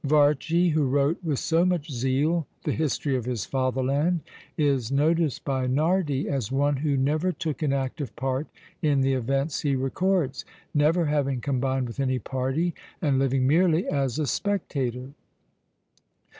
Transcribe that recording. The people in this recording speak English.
Varchi, who wrote with so much zeal the history of his fatherland, is noticed by Nardi as one who never took an active part in the events he records; never having combined with any party, and living merely as a spectator.